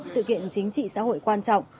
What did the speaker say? sự kiện chính trị xã hội quan trọng